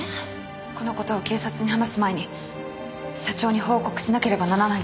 この事を警察に話す前に社長に報告しなければならないと思って。